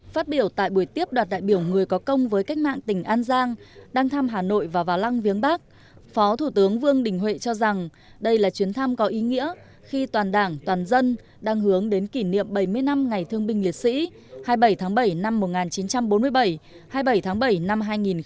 phát biểu tại buổi tiếp đoàn đại biểu người có công với cách mạng tỉnh an giang đang thăm hà nội và vào lăng viếng bắc phó thủ tướng vương đình huệ cho rằng đây là chuyến thăm có ý nghĩa khi toàn đảng toàn dân đang hướng đến kỷ niệm bảy mươi năm ngày thương binh liệt sĩ hai mươi bảy tháng bảy năm một nghìn chín trăm bốn mươi bảy hai mươi bảy tháng bảy năm hai nghìn một mươi chín